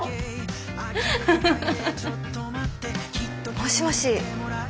もしもし。